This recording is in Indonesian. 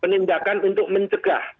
penindakan untuk mencegah